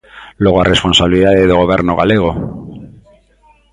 Logo a responsabilidade do Goberno galego.